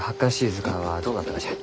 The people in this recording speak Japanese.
図鑑はどうなったがじゃ？